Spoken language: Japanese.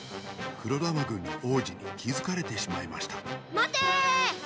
黒玉軍の王子にきづかれてしまいましたまてーー！